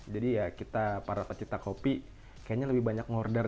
jadi ya kita para pecinta kopi sebeberapa ada nya lebih banyak order